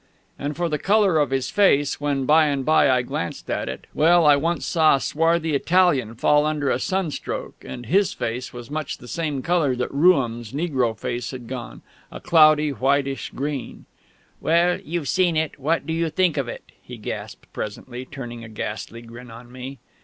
And for the colour of his face when by and by I glanced at it ... well, I once saw a swarthy Italian fall under a sunstroke, and his face was much the same colour that Rooum's negro face had gone; a cloudy, whitish green. "Well you've seen it what do you think of it?" he gasped presently, turning a ghastly grin on me.